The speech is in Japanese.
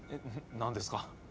何ですか？